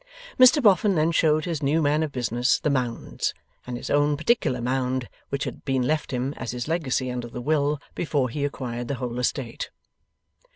Mr Boffin then showed his new man of business the Mounds, and his own particular Mound which had been left him as his legacy under the will before he acquired the whole estate.